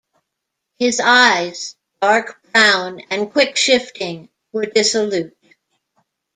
His eyes, dark brown and quick-shifting, were dissolute.